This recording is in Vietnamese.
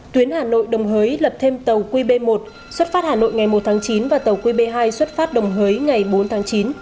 tuyến hà nội đồng hới lập thêm tàu qb một xuất phát hà nội ngày một tháng chín và tàu qb hai xuất phát đồng hới ngày bốn tháng chín